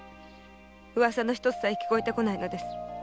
ウワサの一つさえ聞こえてこないのです。